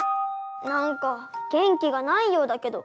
なんか元気がないようだけど。